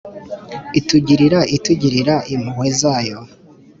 itugirira itugirira impuhwe zayo.